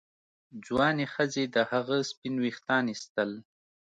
ځوانې ښځې د هغه سپین ویښتان ایستل.